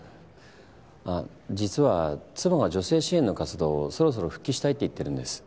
あっ実は妻が女性支援の活動をそろそろ復帰したいって言ってるんです。